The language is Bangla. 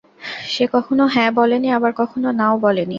সে কখনো হ্যাঁ বলে নি, আবার কখনো নাও বলে নি।